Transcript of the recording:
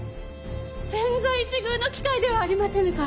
千載一遇の機会ではありませぬか。